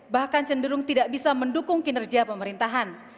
bahkan cenderung tidak bisa mendukung kinerja pemerintahan